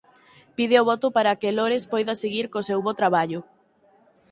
Pide o voto para que Lores poida seguir co seu "bo traballo"